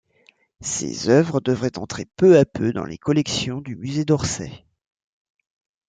Ces œuvres devraient entrer peu à peu dans les collections du musée d'Orsay.